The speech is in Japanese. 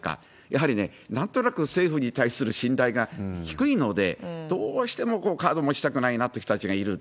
やはりね、なんとなく政府に対する信頼が低いので、どうしてもカード持ちたくないなという人たちがいる。